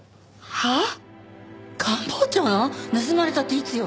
はあ？